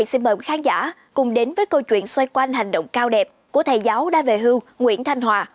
xin mời khán giả cùng đến với câu chuyện xoay quanh hành động cao đẹp của thầy giáo đa vệ hương nguyễn thanh hòa